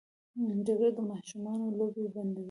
جګړه د ماشومانو لوبې بندوي